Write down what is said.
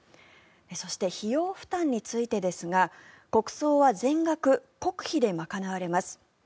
そして、費用負担についてですが国葬は全額国費で賄われます。